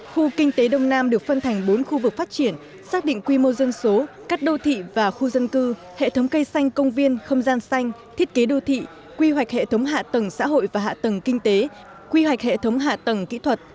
khu kinh tế đông nam được phân thành bốn khu vực phát triển xác định quy mô dân số các đô thị và khu dân cư hệ thống cây xanh công viên không gian xanh thiết kế đô thị quy hoạch hệ thống hạ tầng xã hội và hạ tầng kinh tế quy hoạch hệ thống hạ tầng kỹ thuật